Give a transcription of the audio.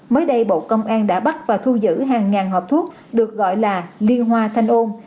mới đây bộ công an đã bắt và thu giữ hàng ngàn hộp thuốc được gọi là liên hoa thanh ôn